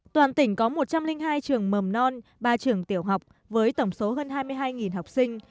toàn tỉnh có một trăm linh hai trường mầm non ba trường tiểu học với tổng số hơn hai mươi hai học sinh